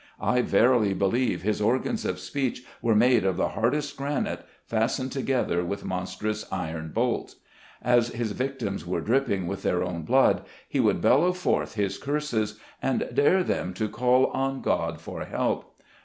I verily believe his organs of speech were made of the hardest granite, fastened together with mons trous iron bolts. As his victims were dripping with their own blood, he would bellow forth his curses, and dare them to call on God for help.